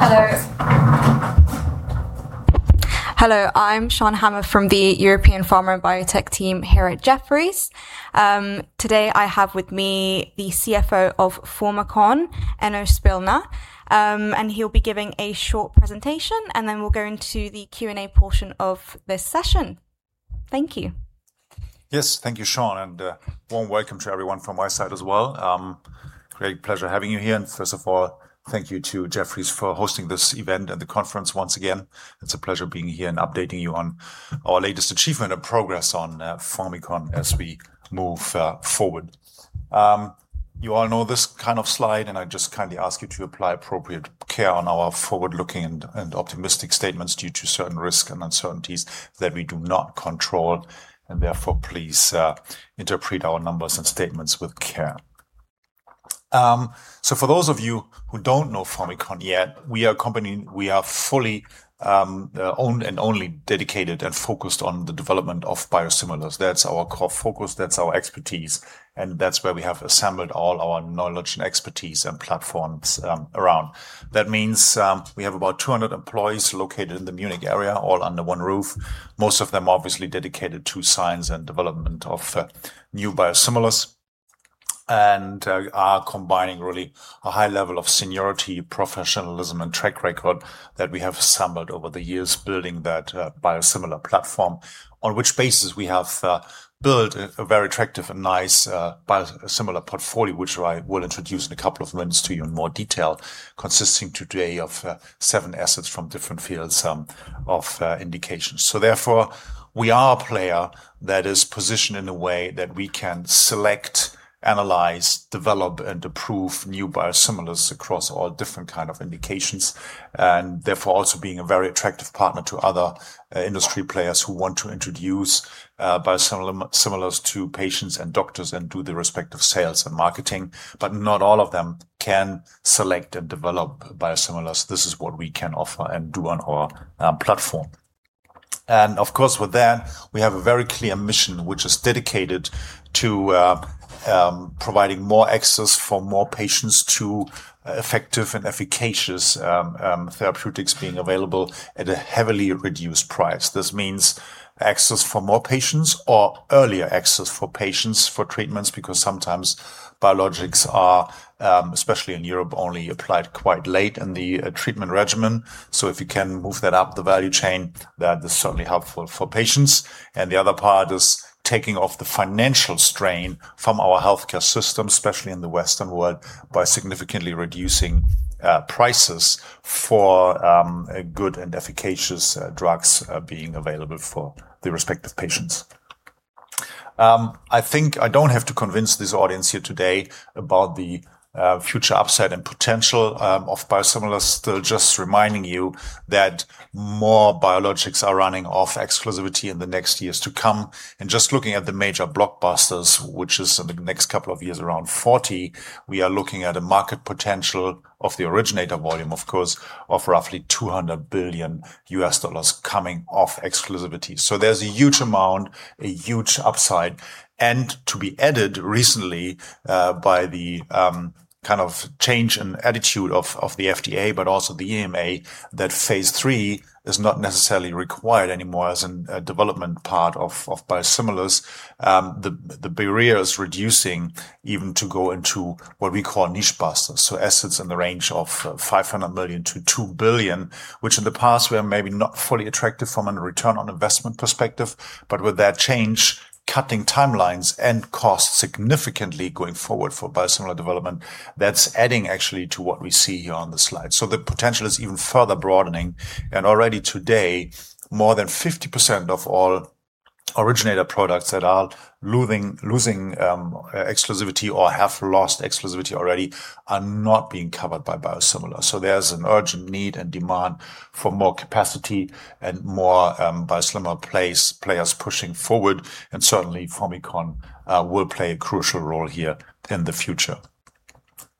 Hello. Hello, I'm Shan Hama from the European Pharma Biotech team here at Jefferies. Today I have with me the CFO of Formycon, Enno Spillner, and he'll be giving a short presentation, and then we'll go into the Q&A portion of this session. Thank you. Yes. Thank you, Shan, a warm welcome to everyone from my side as well. Great pleasure having you here. First of all, thank you to Jefferies for hosting this event and the conference once again. It's a pleasure being here and updating you on our latest achievement and progress on Formycon as we move forward. You all know this kind of slide, and I just kindly ask you to apply appropriate care on our forward-looking and optimistic statements due to certain risks and uncertainties that we do not control, and therefore, please interpret our numbers and statements with care. For those of you who don't know Formycon yet, we are a company, we are fully owned and only dedicated and focused on the development of biosimilars. That's our core focus, that's our expertise, and that's where we have assembled all our knowledge and expertise and platforms around. That means we have about 200 employees located in the Munich area, all under one roof. Most of them obviously dedicated to science and development of new biosimilars, and are combining really a high level of seniority, professionalism, and track record that we have assembled over the years building that biosimilar platform. On which basis we have built a very attractive and nice biosimilar portfolio, which I will introduce in a couple of minutes to you in more detail, consisting today of seven assets from different fields of indications. Therefore, we are a player that is positioned in a way that we can select, analyze, develop, and approve new biosimilars across all different kind of indications, and therefore also being a very attractive partner to other industry players who want to introduce biosimilars to patients and doctors, and do the respective sales and marketing. Not all of them can select and develop biosimilars. This is what we can offer and do on our platform. Of course, with that, we have a very clear mission which is dedicated to providing more access for more patients to effective and efficacious therapeutics being available at a heavily reduced price. This means access for more patients or earlier access for patients for treatments, because sometimes biologics are, especially in Europe, only applied quite late in the treatment regimen. If you can move that up the value chain, that is certainly helpful for patients. The other part is taking off the financial strain from our healthcare system, especially in the Western world, by significantly reducing prices for good and efficacious drugs being available for the respective patients. I think I don't have to convince this audience here today about the future upside and potential of biosimilars. Just reminding you that more biologics are running off exclusivity in the next years to come. Just looking at the major blockbusters, which is in the next couple of years around 40, We are looking at a market potential of the originator volume, of course, of roughly $200 billion coming off exclusivity. There's a huge amount, a huge upside. To be added recently, by the change in attitude of the FDA, but also the EMA, that phase III is not necessarily required anymore as a development part of biosimilars. The barrier is reducing even to go into what we call niche busters, assets in the range of 500 million-2 billion, which in the past were maybe not fully attractive from a return on investment perspective, with that change, cutting timelines and costs significantly going forward for biosimilar development, that's adding actually to what we see here on the slide. The potential is even further broadening. Already today, more than 50% of all originator products that are losing exclusivity or have lost exclusivity already are not being covered by biosimilars. There's an urgent need and demand for more capacity and more biosimilar players pushing forward, and certainly Formycon will play a crucial role here in the future.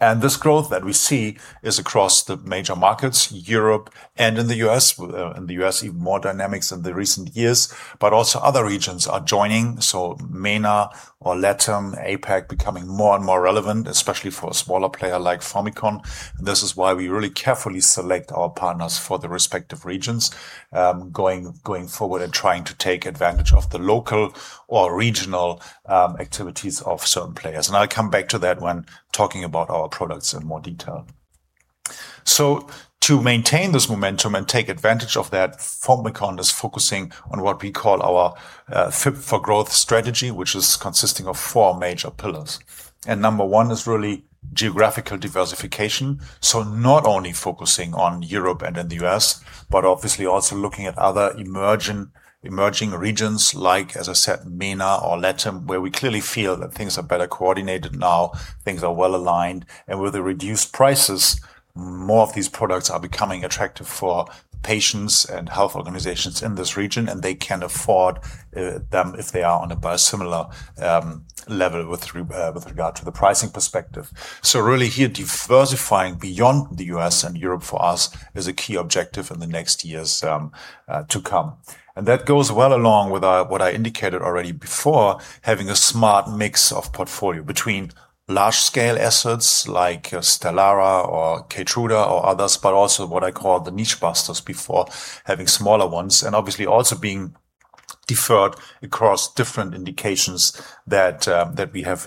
This growth that we see is across the major markets, Europe and in the U.S. In the U.S., even more dynamics in the recent years, but also other regions are joining, so MENA or LATAM, APAC becoming more and more relevant, especially for a smaller player like Formycon. This is why we really carefully select our partners for the respective regions going forward and trying to take advantage of the local or regional activities of certain players. I'll come back to that when talking about our products in more detail. To maintain this momentum and take advantage of that, Formycon is focusing on what we call our fit for growth strategy, which is consisting of four major pillars. Number one is really geographical diversification. Not only focusing on Europe and the U.S., but obviously also looking at other emerging regions like, as I said, MENA or LATAM, where we clearly feel that things are better coordinated now, things are well-aligned, and with the reduced prices, more of these products are becoming attractive for patients and health organizations in this region, and they can afford them if they are on a biosimilar level with regard to the pricing perspective. Really here, diversifying beyond the U.S. and Europe for us is a key objective in the next years to come. That goes well along with what I indicated already before, having a smart mix of portfolio between large-scale assets like Stelara or KEYTRUDA or others, but also what I call the niche busters before, having smaller ones. Obviously also being diversified across different indications that we have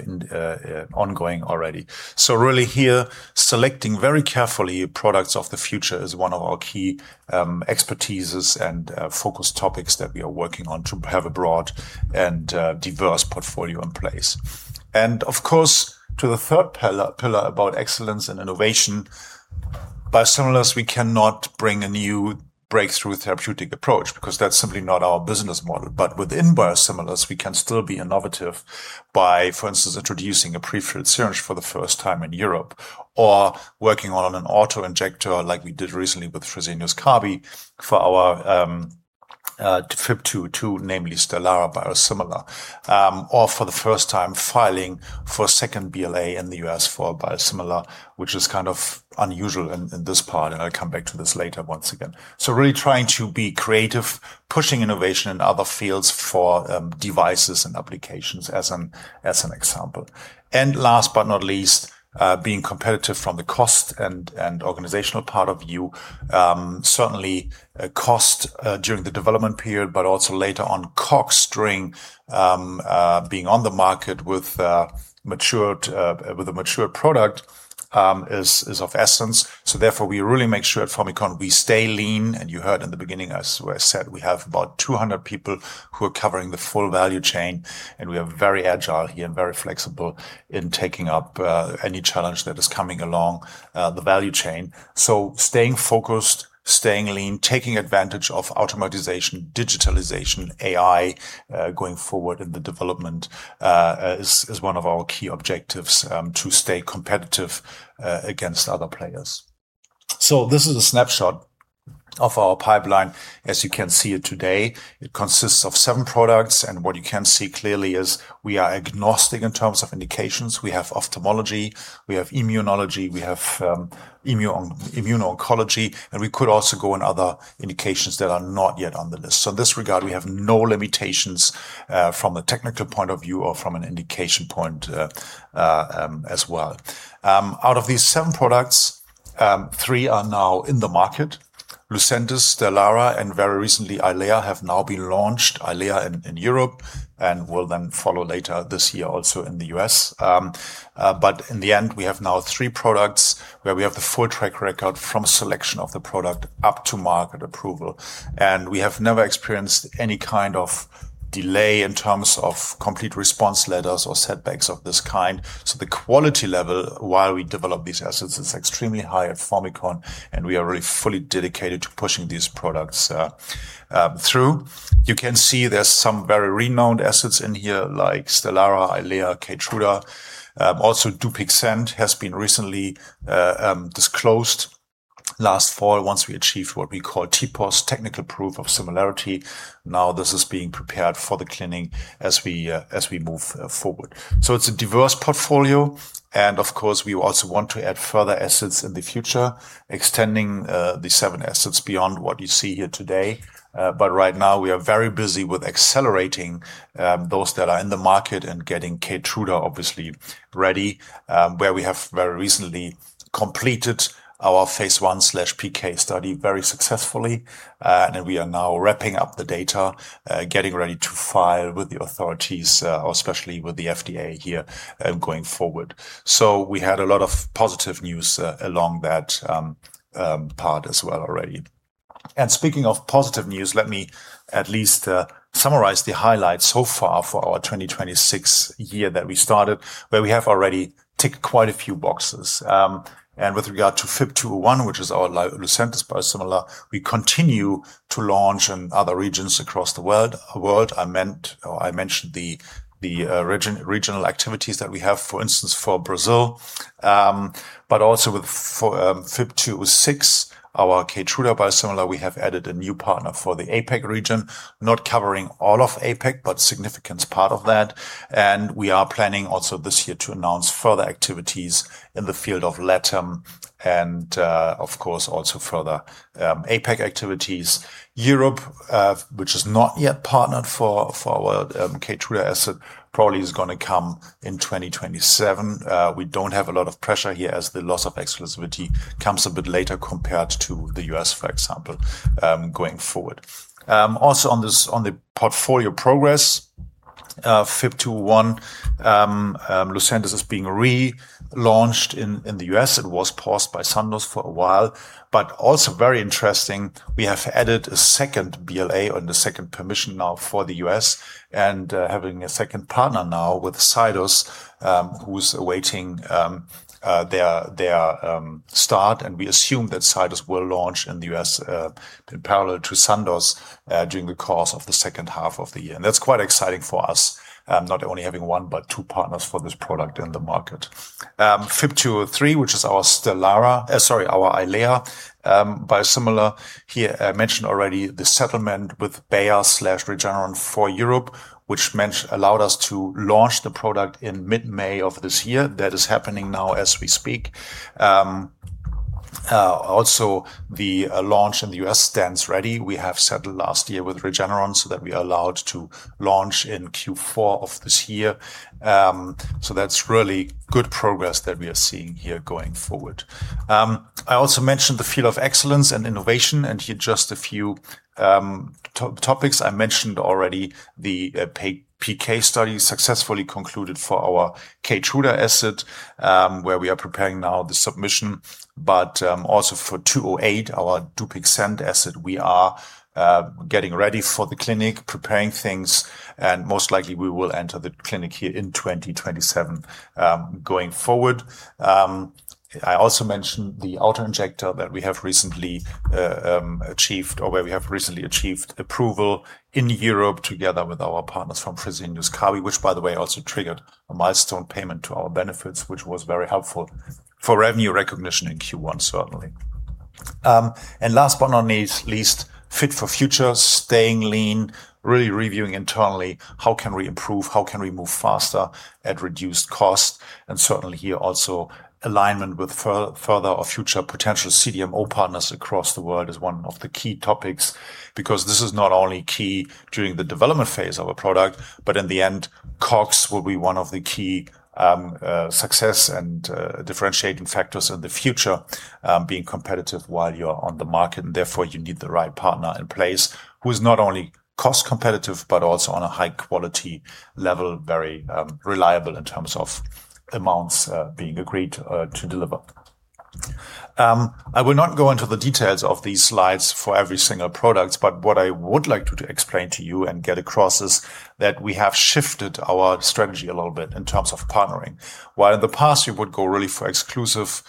ongoing already. Really here, selecting very carefully products of the future is one of our key expertises and focus topics that we are working on to have a broad and diverse portfolio in place. Of course, to the third pillar about excellence and innovation, biosimilars, we cannot bring a new breakthrough therapeutic approach, because that's simply not our business model. Within biosimilars, we can still be innovative by, for instance, introducing a prefilled syringe for the first time in Europe, or working on an auto-injector like we did recently with Fresenius Kabi for our FYB202, namely Stelara biosimilar. For the first time, filing for a second BLA in the U.S. for a biosimilar, which is kind of unusual in this part, and I'll come back to this later once again. Really trying to be creative, pushing innovation in other fields for devices and applications as an example. Last but not least, being competitive from the cost and organizational point of view. Certainly, cost during the development period, but also later on COGS during being on the market with a mature product is of essence. Therefore, we really make sure at Formycon we stay lean, and you heard in the beginning, As I said, we have about 200 people who are covering the full value chain, and we are very agile here and very flexible in taking up any challenge that is coming along the value chain. Staying focused, staying lean, taking advantage of automatization, digitalization, AI, going forward in the development is one of our key objectives to stay competitive against other players. This is a snapshot of our pipeline as you can see it today. It consists of seven products, and what you can see clearly is we are agnostic in terms of indications. We have ophthalmology, we have immunology, we have immuno-oncology, and we could also go in other indications that are not yet on the list. In this regard, we have no limitations from a technical point of view or from an indication point as well. Out of these seven products, three are now in the market. Lucentis, Stelara, and very recently Eylea have now been launched, Eylea in Europe, and will then follow later this year also in the U.S. In the end, we have now three products where we have the full track record from selection of the product up to market approval. We have never experienced any kind of delay in terms of Complete Response Letters or setbacks of this kind. The quality level while we develop these assets is extremely high at Formycon, and we are really fully dedicated to pushing these products through. You can see there's some very renowned assets in here like Stelara, Eylea, KEYTRUDA. DUPIXENT has been recently disclosed last fall once we achieved what we call TPOS, technical proof of similarity. This is being prepared for the clinic as we move forward. It's a diverse portfolio, and of course, we also want to add further assets in the future, extending the seven assets beyond what you see here today. Right now we are very busy with accelerating those that are in the market and getting KEYTRUDA obviously ready, where we have very recently completed our phase I/PK study very successfully. We are now wrapping up the data, getting ready to file with the authorities, or especially with the FDA here going forward. We had a lot of positive news along that part as well already. Speaking of positive news, let me at least summarize the highlights so far for our 2026 year that we started, where we have already ticked quite a few boxes. With regard to FYB201, which is our Lucentis biosimilar, we continue to launch in other regions across the world. I mentioned the regional activities that we have, for instance, for Brazil. Also with FYB206, our KEYTRUDA biosimilar, we have added a new partner for the APAC region, not covering all of APAC, but significant part of that. We are planning also this year to announce further activities in the field of LATAM and, of course, also further APAC activities. Europe, which is not yet partnered for our KEYTRUDA asset, probably is going to come in 2027. We don't have a lot of pressure here as the loss of exclusivity comes a bit later compared to the U.S., for example, going forward. On the portfolio progress, FYB201, LUCENTIS is being relaunched in the U.S. It was paused by Sandoz for a while. Very interesting, we have added a second BLA and a second permission now for the U.S., and having a second partner now with Sitos who's awaiting their start. We assume that Sitos will launch in the U.S. in parallel to Sandoz during the course of the second half of the year. That's quite exciting for us, not only having one, but two partners for this product in the market. FYB203, which is our STELARA, sorry, our EYLEA biosimilar. Here, I mentioned already the settlement with Bayer/Regeneron for Europe, which allowed us to launch the product in mid-May of this year. That is happening now as we speak. The launch in the U.S. stands ready. We have settled last year with Regeneron that we are allowed to launch in Q4 of this year. That's really good progress that we are seeing here going forward. I also mentioned the field of excellence and innovation, here just a few topics. I mentioned already the PK study successfully concluded for our KEYTRUDA asset, where we are preparing now the submission, also for 208, our DUPIXENT asset, we are getting ready for the clinic, preparing things, most likely we will enter the clinic here in 2027 going forward. I also mentioned the auto-injector that we have recently achieved, or where we have recently achieved approval in Europe together with our partners from Fresenius Kabi, which by the way, also triggered a milestone payment to our benefits, which was very helpful for revenue recognition in Q1, certainly. Last but not least, fit for future, staying lean, really reviewing internally, how can we improve, how can we move faster at reduced cost, and certainly here also alignment with further or future potential CDMO partners across the world is one of the key topics, because this is not only key during the development phase of a product, But in the end, costs will be one of the key success and differentiating factors in the future, being competitive while you are on the market, and therefore you need the right partner in place who is not only cost competitive, but also on a high quality level, very reliable in terms of amounts being agreed to deliver. I will not go into the details of these slides for every single product. What I would like to explain to you and get across is that we have shifted our strategy a little bit in terms of partnering. While in the past we would go really for exclusive,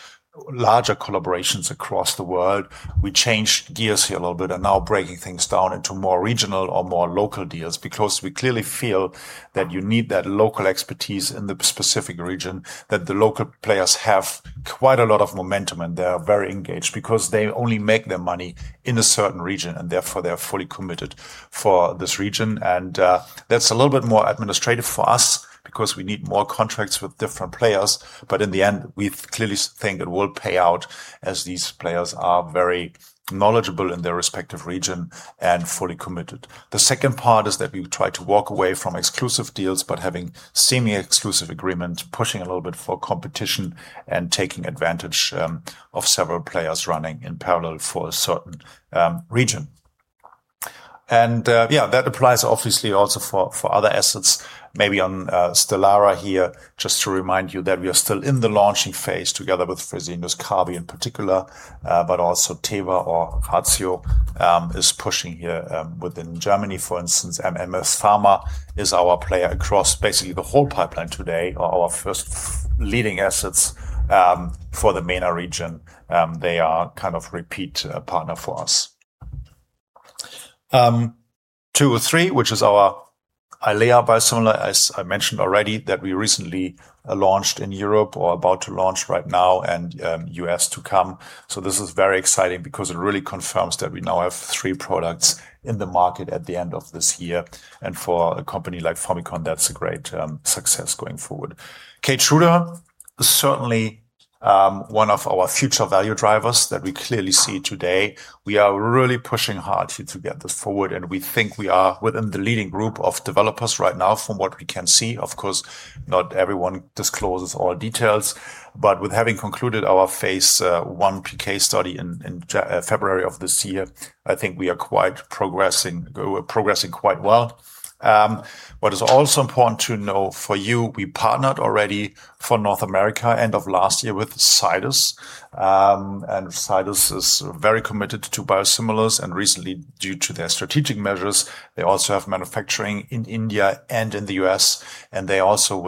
larger collaborations across the world, we changed gears here a little bit and now breaking things down into more regional or more local deals, Because we clearly feel that you need that local expertise in the specific region, that the local players have quite a lot of momentum, and they are very engaged because they only make their money in a certain region, and therefore they are fully committed for this region. That's a little bit more administrative for us because we need more contracts with different players. In the end, we clearly think it will pay out as these players are very knowledgeable in their respective region and fully committed. The second part is that we try to walk away from exclusive deals, but having semi-exclusive agreement, pushing a little bit for competition and taking advantage of several players running in parallel for a certain region. That applies obviously also for other assets, maybe on Stelara here, just to remind you that we are still in the launching phase together with Fresenius Kabi in particular. Also Teva or ratiopharm is pushing here within Germany, for instance, MS Pharma is our player across basically the whole pipeline today, our first leading assets for the MENA region. They are kind of repeat partner for us. FYB203, which is our Eylea biosimilar, as I mentioned already, that we recently launched in Europe or about to launch right now and U.S. to come. This is very exciting because it really confirms that we now have three products in the market at the end of this year. For a company like Formycon, that's a great success going forward. KEYTRUDA is certainly one of our future value drivers that we clearly see today. We are really pushing hard here to get this forward, and we think we are within the leading group of developers right now from what we can see. Of course, not everyone discloses all details, but with having concluded our phase I PK study in February of this year, I think we are progressing quite well. What is also important to know for you, we partnered already for North America end of last year with Zydus. Zydus is very committed to biosimilars and recently, due to their strategic measures, they also have manufacturing in India and in the U.S. and they also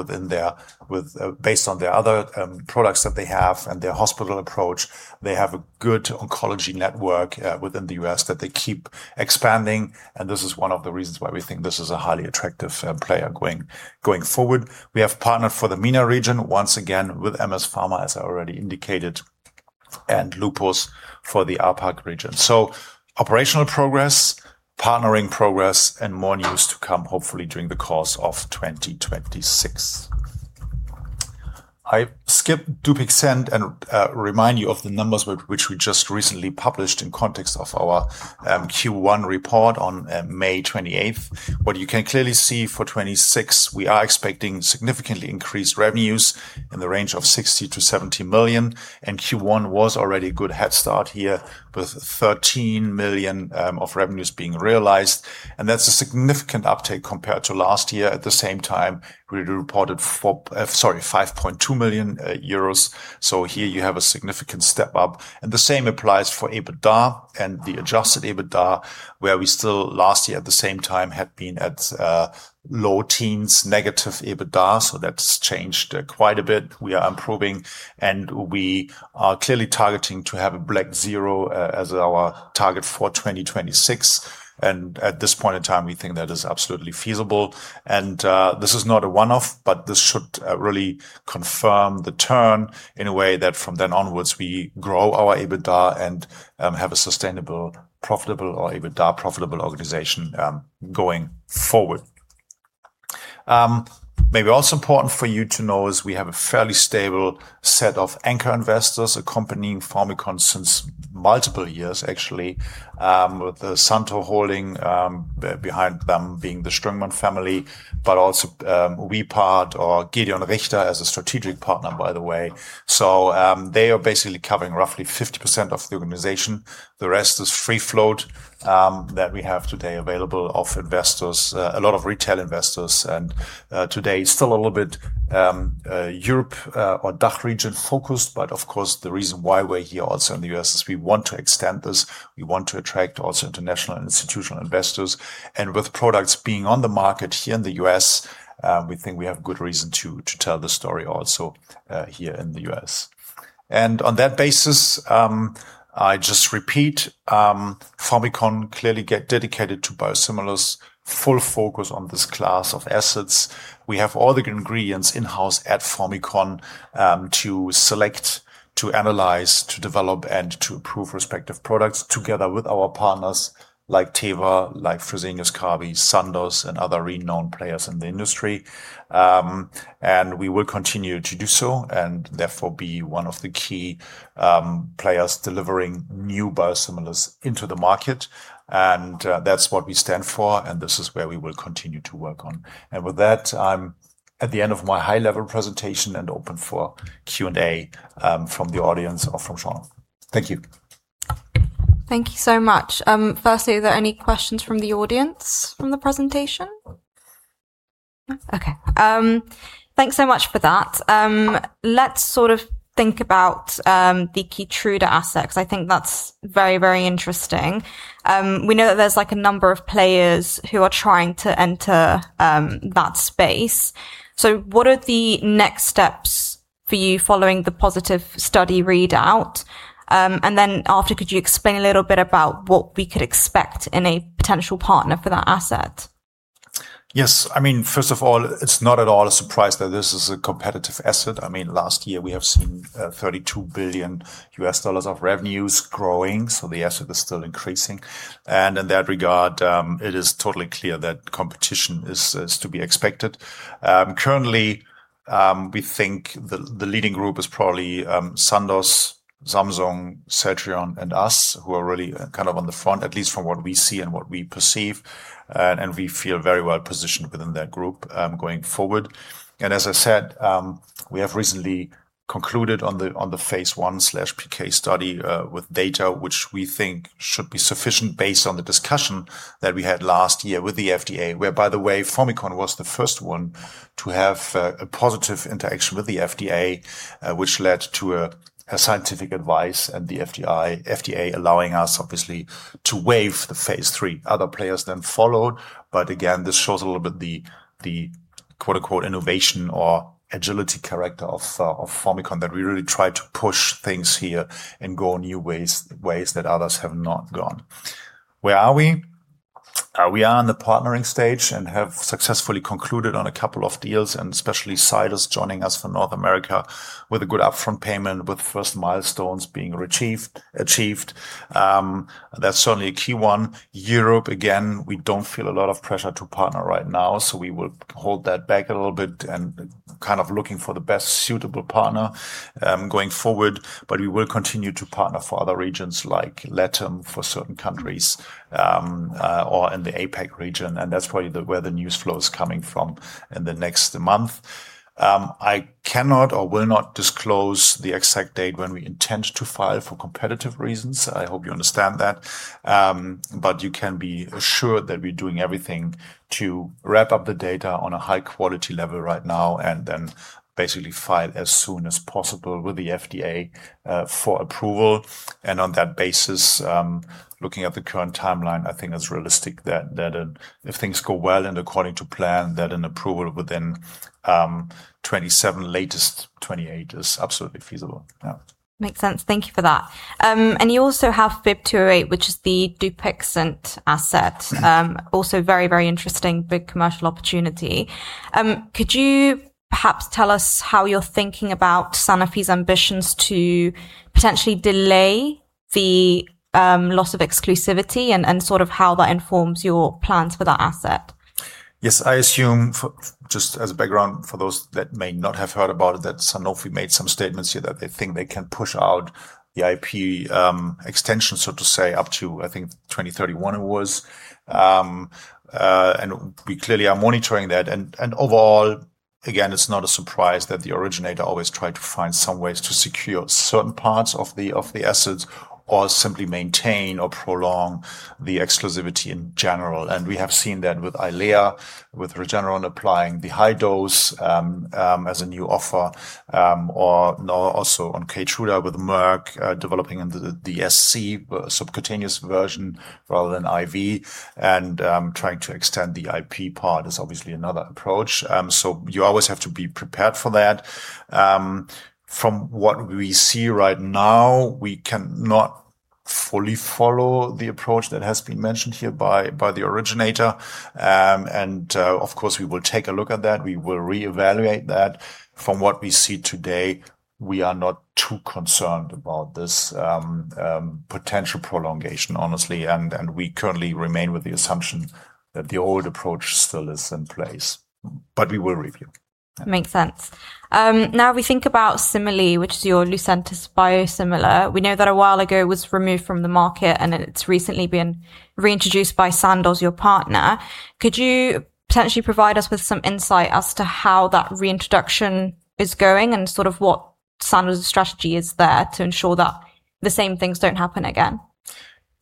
based on their other products that they have and their hospital approach, They have a good oncology network within the U.S. that they keep expanding, and this is one of the reasons why we think this is a highly attractive player going forward. We have partnered for the MENA region, once again with MS Pharma, as I already indicated, and Lotus for the APAC region. Operational progress, partnering progress, and more news to come, hopefully during the course of 2026. I skip DUPIXENT and remind you of the numbers which we just recently published in context of our Q1 report on May 28th. What you can clearly see for 2026, we are expecting significantly increased revenues in the range of 60 million-70 million. Q1 was already a good head start here with 13 million of revenues being realized. That's a significant uptake compared to last year at the same time, we reported 5.2 million euros. Here you have a significant step up. The same applies for EBITDA and the adjusted EBITDA, where we still last year at the same time had been at low teens negative EBITDA. That's changed quite a bit. We are improving. We are clearly targeting to have a black zero as our target for 2026. At this point in time, we think that is absolutely feasible. This is not a one-off, but this should really confirm the turn in a way that from then onwards, we grow our EBITDA and have a sustainable, profitable or EBITDA profitable organization going forward. Maybe also important for you to know is we have a fairly stable set of anchor investors accompanying Formycon since multiple years, actually. With the Santo Holding, behind them being the Strüngmann family, But also Wepart or Gedeon Richter as a strategic partner, by the way. They are basically covering roughly 50% of the organization. The rest is free float that we have today available of investors, a lot of retail investors, and today, still a little bit Europe or DACH region-focused. Of course, the reason why we're here also in the U.S. is we want to extend this. We want to attract also international and institutional investors. With products being on the market here in the U.S., we think we have good reason to tell the story also here in the U.S. On that basis, I just repeat, Formycon clearly dedicated to biosimilars, full focus on this class of assets. We have all the ingredients in-house at Formycon to select, to analyze, to develop, and to approve respective products together with our partners like Teva, like Fresenius Kabi, Sandoz, and other renowned players in the industry. We will continue to do so and therefore be one of the key players delivering new biosimilars into the market. That's what we stand for, and this is where we will continue to work on. With that, I'm at the end of my high-level presentation and open for Q&A from the audience or from Shan. Thank you. Thank you so much. Firstly, are there any questions from the audience from the presentation? Okay. Thanks so much for that. Let's think about the KEYTRUDA asset, because I think that's very interesting. We know that there's a number of players who are trying to enter that space. What are the next steps for you following the positive study readout? After, could you explain a little bit about what we could expect in a potential partner for that asset? Yes. First of all, it's not at all a surprise that this is a competitive asset. Last year, we have seen $32 billion of revenues growing, so the asset is still increasing. In that regard, it is totally clear that competition is to be expected. Currently, we think the leading group is probably Sandoz, Samsung, Celltrion, and us, who are really kind of on the front, at least from what we see and what we perceive, and we feel very well positioned within that group going forward. As I said, we have recently concluded on the phase I/PK study with data which we think should be sufficient based on the discussion that we had last year with the FDA, where, by the way, Formycon was the first one to have a positive interaction with the FDA, which led to a scientific advice at the FDA allowing us, obviously, to waive the phase III. Other players followed. Again, this shows a little bit the "innovation" or agility character of Formycon that we really try to push things here and go new ways that others have not gone. Where are we? We are in the partnering stage and have successfully concluded on a couple of deals, especially Zydus joining us for North America with a good upfront payment, with first milestones being achieved. That's certainly a key one. Europe, again, we don't feel a lot of pressure to partner right now, we will hold that back a little bit and kind of looking for the best suitable partner going forward. We will continue to partner for other regions like LATAM for certain countries or in the APAC region, that's probably where the news flow is coming from in the next month. I cannot or will not disclose the exact date when we intend to file for competitive reasons. I hope you understand that. You can be assured that we're doing everything to wrap up the data on a high-quality level right now then basically file as soon as possible with the FDA for approval. On that basis, looking at the current timeline, I think it's realistic that if things go well and according to plan, that an approval within 2027, latest 2028, is absolutely feasible. Yeah. Makes sense. Thank you for that. You also have FYB208, which is the DUPIXENT asset. Also very interesting, big commercial opportunity. Could you perhaps tell us how you're thinking about Sanofi's ambitions to potentially delay the loss of exclusivity and sort of how that informs your plans for that asset? Yes. I assume, just as a background for those that may not have heard about it, that Sanofi made some statements here that they think they can push out the IP extension, so to say, up to, I think, 2031 it was. We clearly are monitoring that. Overall, again, it's not a surprise that the originator always tried to find some ways to secure certain parts of the assets or simply maintain or prolong the exclusivity in general. We have seen that with Eylea, with Regeneron applying the high dose as a new offer or now also on KEYTRUDA with Merck developing the SC, subcutaneous version rather than IV, and trying to extend the IP part is obviously another approach. You always have to be prepared for that. From what we see right now, we cannot fully follow the approach that has been mentioned here by the originator. Of course, we will take a look at that. We will reevaluate that. From what we see today, we are not too concerned about this potential prolongation, honestly, and we currently remain with the assumption that the old approach still is in place. We will review. Makes sense. We think about Cimerli, which is your Lucentis biosimilar. We know that a while ago it was removed from the market, and it's recently been reintroduced by Sandoz, your partner. Could you potentially provide us with some insight as to how that reintroduction is going and what Sandoz's strategy is there to ensure that the same things don't happen again?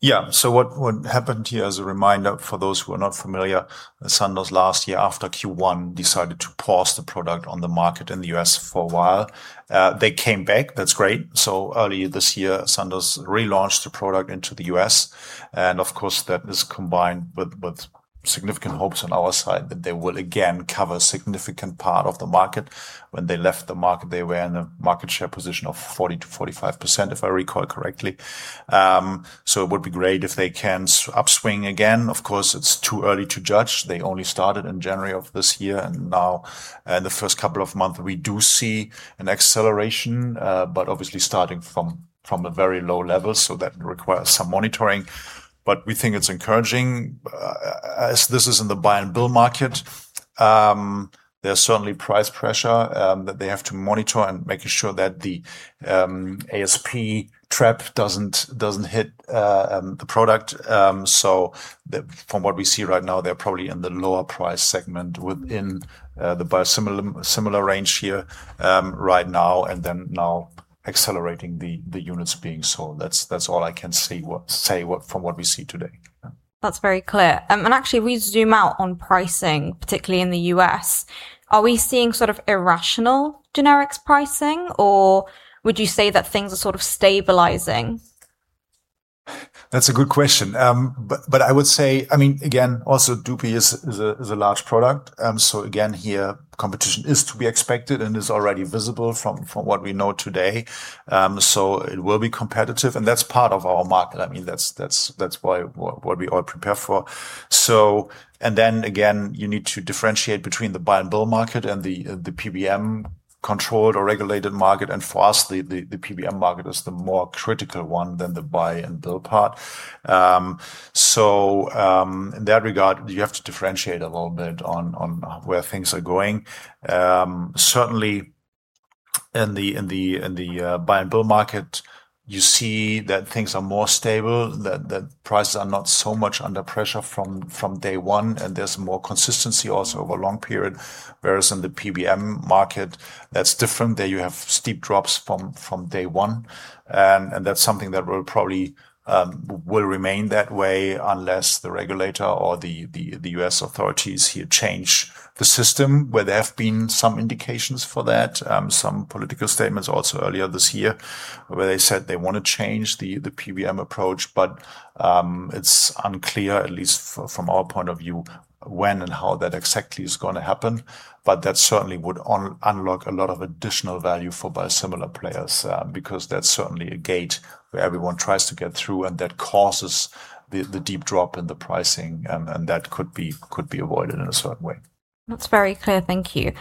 Yeah. What happened here, as a reminder, for those who are not familiar, Sandoz last year, after Q1, decided to pause the product on the market in the U.S. for a while. They came back. That's great. Early this year, Sandoz relaunched the product into the U.S., and of course, that is combined with significant hopes on our side that they will again cover a significant part of the market. When they left the market, they were in a market share position of 40%-45%, if I recall correctly. It would be great if they can upswing again. Of course, it's too early to judge. They only started in January of this year, and now in the first couple of months, we do see an acceleration, but obviously starting from a very low level, that requires some monitoring. We think it's encouraging, as this is in the buy-and-bill market. There's certainly price pressure that they have to monitor and making sure that the ASP trap doesn't hit the product. From what we see right now, they're probably in the lower price segment within the biosimilar range here right now, and then now accelerating the units being sold. That's all I can say from what we see today. That's very clear. Actually, if we zoom out on pricing, particularly in the U.S., are we seeing sort of irrational generics pricing, or would you say that things are sort of stabilizing? That's a good question. I would say, again, also DUPIXENT is a large product. Again, here, competition is to be expected and is already visible from what we know today. It will be competitive, and that's part of our market. That's what we all prepare for. Again, you need to differentiate between the buy-and-bill market and the PBM controlled or regulated market, and for us, The PBM market is the more critical one than the buy-and-bill part. In that regard, you have to differentiate a little bit on where things are going. In the buy-and-bill market, you see that things are more stable, that prices are not so much under pressure from day one, and there's more consistency also over long period. In the PBM market, that's different. There you have steep drops from day one. That's something that will probably remain that way unless the regulator or the U.S. authorities here change the system, where there have been some indications for that. Some political statements also earlier this year, where they said they want to change the PBM approach. It's unclear, at least from our point of view, when and how that exactly is going to happen. That certainly would unlock a lot of additional value for biosimilar players, because that's certainly a gate where everyone tries to get through, and that causes the deep drop in the pricing, and that could be avoided in a certain way. That's very clear. Thank you.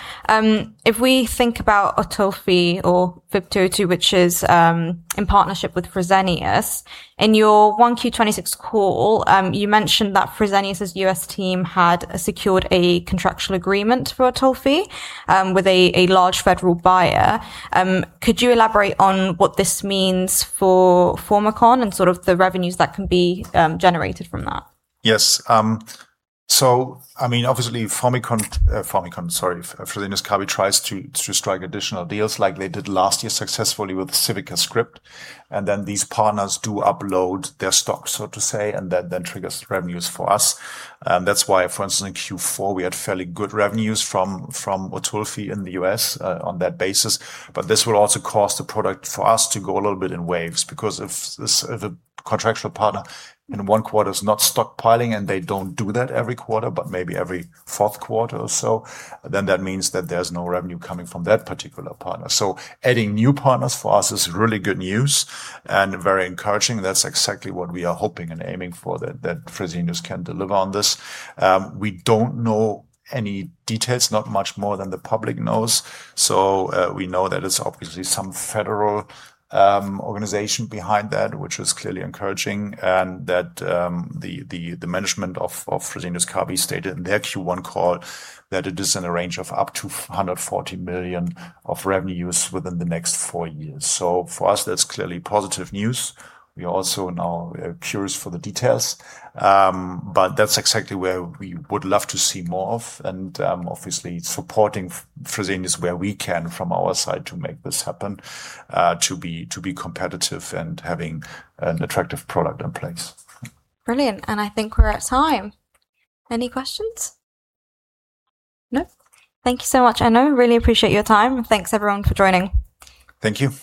If we think about Otulfi or FYB202, which is in partnership with Fresenius, in your 1Q 2026 call, you mentioned that Fresenius' U.S. team had secured a contractual agreement for Otulfi, with a large federal buyer. Could you elaborate on what this means for Formycon and sort of the revenues that can be generated from that? Yes. Obviously, Fresenius Kabi tries to strike additional deals like they did last year successfully with CivicaScript, and then these partners do upload their stock, so to say, and that then triggers revenues for us. That's why, for instance, in Q4, we had fairly good revenues from Otulfi in the U.S. on that basis. This will also cause the product for us to go a little bit in waves, because if a contractual partner in Q1 is not stockpiling, and they don't do that every quarter, but maybe every Q4 or so, then that means that there's no revenue coming from that particular partner. Adding new partners for us is really good news and very encouraging. That's exactly what we are hoping and aiming for, that Fresenius can deliver on this. We don't know any details, not much more than the public knows. We know that it's obviously some federal organization behind that, which is clearly encouraging, and that the management of Fresenius Kabi stated in their Q1 call that it is in a range of up to 140 million of revenues within the next four years. For us, that's clearly positive news. We also now are curious for the details. That's exactly where we would love to see more of, and obviously supporting Fresenius where we can from our side to make this happen, to be competitive and having an attractive product in place. Brilliant. I think we're at time. Any questions? No. Thank you so much, Enno. Really appreciate your time. Thanks everyone for joining. Thank you.